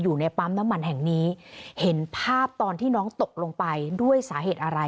อยู่ในปั๊มน้ำมันแห่งนี้เห็นภาพตอนที่น้องตกลงไปด้วยสาเหตุอะไร